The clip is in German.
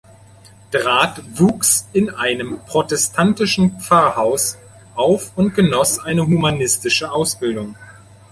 Draht wuchs in einem protestantischen Pfarrhaus auf und genoss eine humanistische Ausbildung.